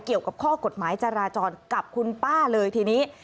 เกี่ยวกับข้อกฎหมายจราจรกับคุณป้าเลยทีนี้